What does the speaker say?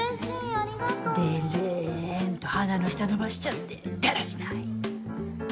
でれんと鼻の下伸ばしちゃって、だらしない！